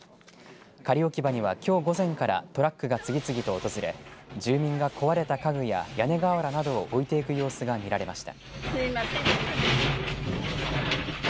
仮置き場には、きょう午前からトラックが次々と訪れ住民が壊れた家具や屋根瓦などを置いていく様子が見られました。